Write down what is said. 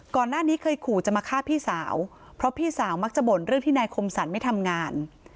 ก่อนหน้านี้เคยขู่จะมาฆ่าพี่สาวเพราะพี่สาวมักจะบ่นเรื่องที่นายคมสรรไม่ทำงาน